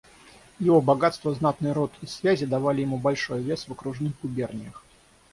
Его богатство, знатный род и связи давали ему большой вес в окружных губерниях.